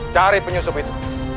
cari penyusup itu